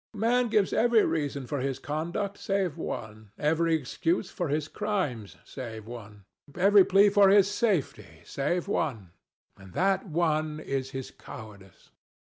Man gives every reason for his conduct save one, every excuse for his crimes save one, every plea for his safety save one; and that one is his cowardice.